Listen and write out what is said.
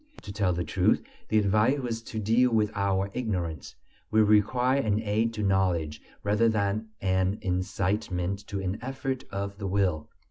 To tell the truth, the advice was to deal with our ignorance; we required an aid to knowledge rather than an incitement to an effort of the will.